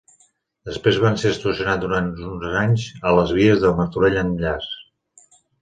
Després van ser estacionats durant uns quants anys a les vies de Martorell Enllaç.